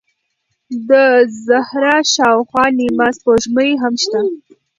د زهره شاوخوا نیمه سپوږمۍ هم شته.